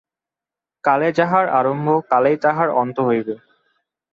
কালে যাহার আরম্ভ, কালেই তাহার অন্ত হইবে।